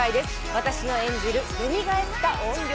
私の演じるよみがえった怨霊